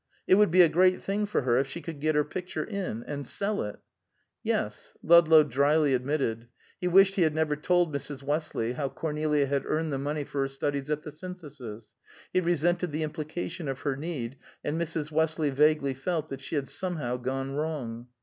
"It would be a great thing for her if she could get her picture in and sell it." "Yes," Ludlow dryly admitted. He wished he had never told Mrs. Westley how Cornelia had earned the money for her studies at the Synthesis; he resented the implication of her need, and Mrs. Westley vaguely felt that she had somehow gone wrong.